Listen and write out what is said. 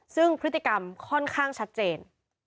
ซึ่งพฤติกรรมค่อนข้างชัดเจน